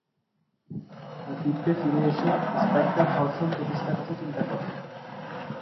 ক্রিপ্টে ফিরে এসে, স্পাইক তার ধর্ষণ প্রচেষ্টার কথা চিন্তা করে।